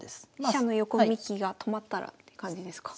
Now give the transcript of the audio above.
飛車の横利きが止まったらって感じですか？